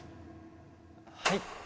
はい。